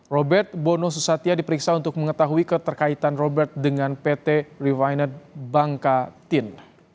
robert bono susatya diperiksa untuk mengetahui keterkaitan robert dengan pt refinet bangka tin